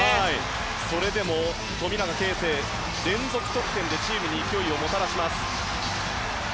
それでも富永啓生の連続得点でチームに勢いをもたらします。